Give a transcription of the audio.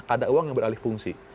ada uang yang beralih fungsi